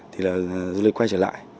thì là du lịch quay trở lại